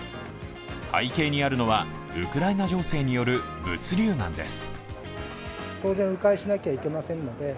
背景にあるのはウクライナ情勢による物流難です。